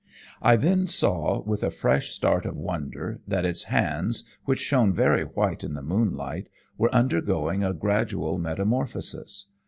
I then saw, with a fresh start of wonder, that its hands, which shone very white in the moonlight, were undergoing a gradual metamorphosis.